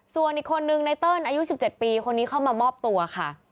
ส่วนอีกคนนึงในเติ้ลอายุ๑๗ปีคนนี้เข้ามามอบตัวค่ะ